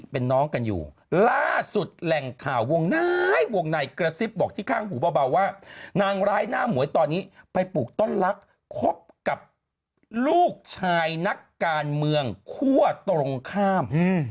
เป็นน้องกันอยู่ล่าสุดแหล่งข่าววงในวงในกระซิบบอกที่ข้างหูเบาว่านางร้ายหน้าหมวยตอนนี้ไปปลูกต้นลักษณ์คบกับลูกชายนักการเมืองคั่วตรงข้าม